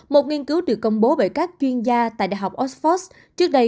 một nghiên cứu được công bố bởi các chuyên gia tại đại học oxford trước đây